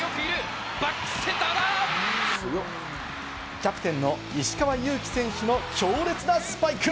キャプテンの石川祐希選手の強烈なスパイク！